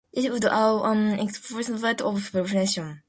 This would allow an exponential rate of production.